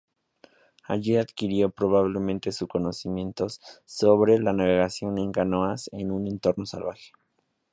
Allí adquirió probablemente sus conocimientos sobre la navegación en canoas en un entorno salvaje.